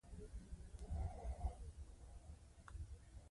یوازې نن ورځ افغان سوداګرو